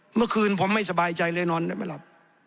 เมื่อคืนผมไม่สบายใจเลยนอนไม่หลับ